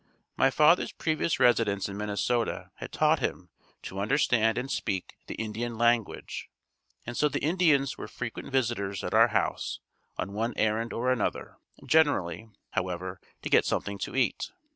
My father's previous residence in Minnesota had taught him to understand and speak the Indian language and so the Indians were frequent visitors at our house on one errand or another, generally, however to get something to eat.